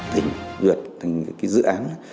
tỉnh vượt thành cái dự án